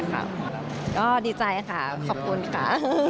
ก็ดีใจค่ะขอบคุณค่ะ